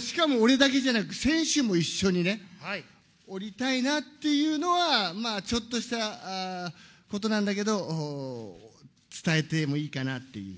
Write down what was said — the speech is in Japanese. しかも俺だけじゃなく、選手も一緒にね、降りたいなっていうのは、まあちょっとしたことなんだけど、伝えてもいいかなっていう。